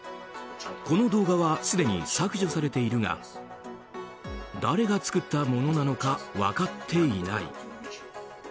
この動画はすでに削除されているが誰が作ったものなのか分かっていない。